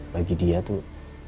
bagi dia tuh